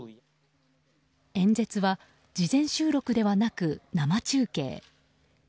演説は事前収録ではなく生中継。